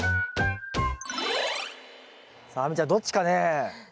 さあ亜美ちゃんどっちかね？